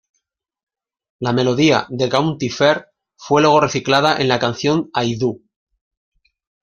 La melodía de "County Fair" fue luego reciclada en la canción "I Do".